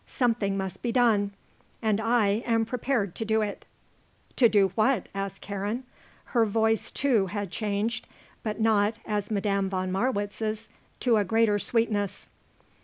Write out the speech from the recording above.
Something must be done and I am prepared to do it." "To do what?" asked Karen. Her voice, too, had changed, but not, as Madame von Marwitz's, to a greater sweetness.